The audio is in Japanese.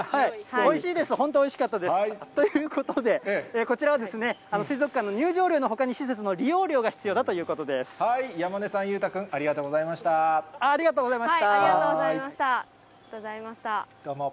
おいしいです、本当おいしかったです。ということで、こちらは水族館の入場料のほかに施設の利用料が必要だということ山根さん、裕太君、ありがと続いて、ワンポイント天気です。